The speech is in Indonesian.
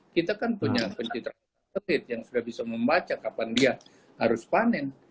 kita kan punya pencitraan tertib yang sudah bisa membaca kapan dia harus panen